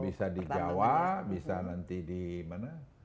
bisa di jawa bisa nanti di mana